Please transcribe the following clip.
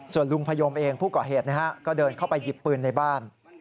ส่วนลุงพยมเองผู้ก่อเหตุก็เดินเข้าไปหยิบปืนในบ้าน